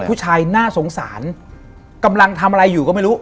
ผู้ชายน่าสงสารกำลังทำอะไรอยู่ก็ไม่รู้